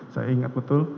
saya ingat betul